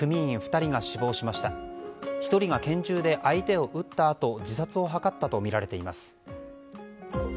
１人が拳銃で相手を撃ったあと自殺を図ったとみられています。